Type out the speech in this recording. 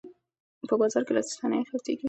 په بازار کې لاسي صنایع خرڅیږي.